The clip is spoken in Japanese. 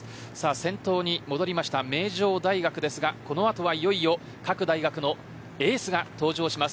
先頭に戻って名城大学ですがこの後は、いよいよ各大学のエースが登場します。